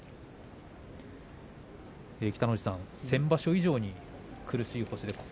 北の富士さん、先場所以上に苦しい星ですね。